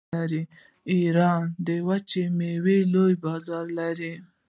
ایران د وچو میوو لوی بازار لري.